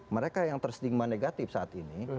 mereka yang tersdigma negatif saat ini